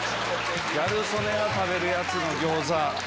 ギャル曽根が食べるやつの餃子。